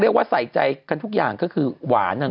เรียกว่าใส่ใจขึ้นทุกอย่างก็คือหวาน